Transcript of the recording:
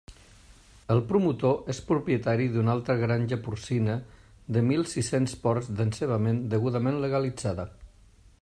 El promotor és propietari d'una altra granja porcina de mil sis-cents porcs d'encebament degudament legalitzada.